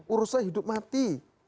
urusnya hidup mati